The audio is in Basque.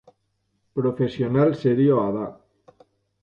Profesional serioa da.